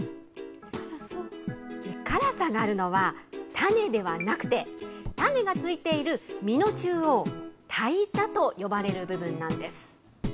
辛さがあるのは、種ではなくて、種がついている実の中央、胎座と呼ばれる部分なんです。